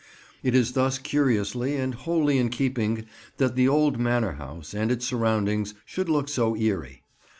It is thus curiously and wholly in keeping that the old manor house and its surroundings should look so eerie.